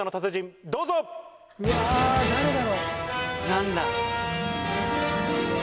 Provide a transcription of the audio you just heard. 何だ？